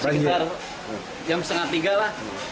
sekitar jam setengah tiga lah